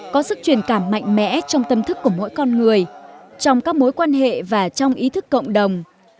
có sức truyền cảm mạnh mẽ trong tâm thức của mỗi con người trong các mối quan hệ và trong ý thức cộng đồng